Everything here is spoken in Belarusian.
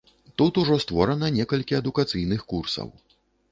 Тут ужо створана некалькі адукацыйных курсаў.